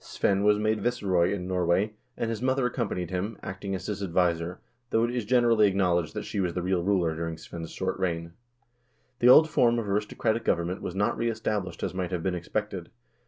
Svein was made viceroy of Norway, and his mother accompanied him, acting as his adviser, though it is generally acknowledged that she was the real ruler during Svein's short reign. The old form of aristocratic government was not reestablished as might have been expected.